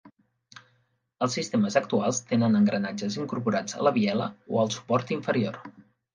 Els sistemes actuals tenen engranatges incorporats a la biela o al suport inferior.